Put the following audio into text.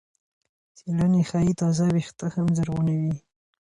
څېړنې ښيي تازه وېښته هم زرغونوي.